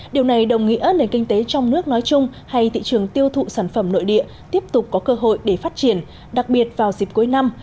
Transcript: điều này đồng nghĩa nền kinh tế trong nước nói chung hay thị trường tiêu thụ sản phẩm nội địa tiếp tục có cơ hội để phát triển đặc biệt vào dịp cuối năm